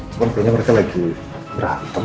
sepertinya mereka lagi berantem